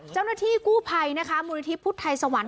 เจ้าหน้าที่กู้ภัยนะคะมูลนิธิพุทธไทยสวรรค